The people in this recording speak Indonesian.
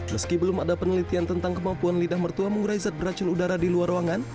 meski belum ada penelitian tentang kemampuan lidah mertua mengurai zat beracun udara di luar ruangan